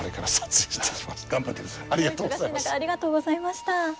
お忙しい中ありがとうございました。